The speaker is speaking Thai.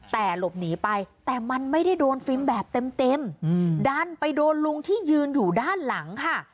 แต่หลบหนีไปแต่มันไม่ได้โดนฟิล์มแบบเต็มดันไปโดนลุงที่ยืนอยู่ด้านหลังค่ะ